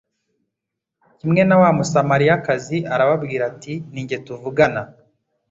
kimwe na wa musamariyakazi, arababwira ati, “Ni Jye tuvugana.”